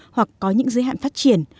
hoặc có những giới hạn phát triển